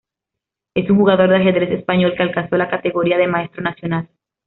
Es un jugador de ajedrez español que alcanzó la categoría de maestro nacional.